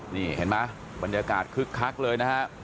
แล้วก็บรรยากาศคึกครักเลย